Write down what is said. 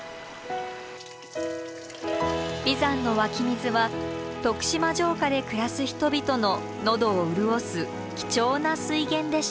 眉山の湧き水は徳島城下で暮らす人々の喉を潤す貴重な水源でした。